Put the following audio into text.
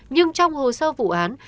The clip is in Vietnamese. nhưng trong hồ sơ vụ án